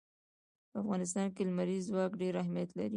په افغانستان کې لمریز ځواک ډېر اهمیت لري.